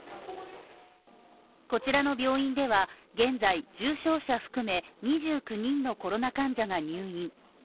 こちらの病院では現在、重症者含め、２９人のコロナ患者が入院。